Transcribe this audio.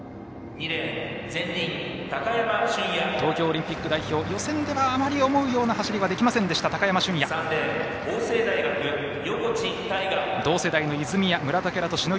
東京オリンピック代表予選では思うような走りはできませんでした、高山峻野。